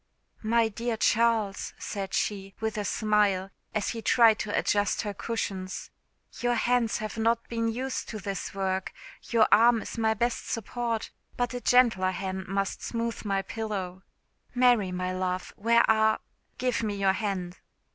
"My dear Charles," said she, with a smile, as he tried to adjust her cushions, "your hands have not been used to this work. Your arm is my best support, but a gentler hand must smooth my pillow. Mary, my love, where are ? Give me your hand."